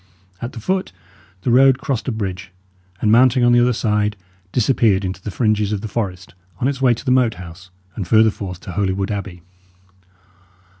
At the foot, the road crossed a bridge, and mounting on the other side, disappeared into the fringes of the forest on its way to the Moat House, and further forth to Holywood Abbey.